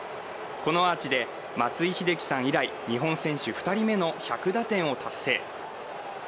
このアーチで松井秀喜さん以来日本選手２人目の１００打点を達成。